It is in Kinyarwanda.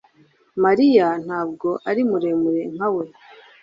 Mariya ntabwo ari muremure nka we